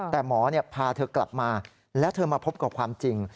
แต่หมอพาเธอกลับมาแล้วเธอมาพบกับความจริง